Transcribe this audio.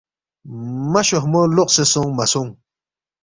مَہ شوہمو لوقسے سونگ مَہ سونگ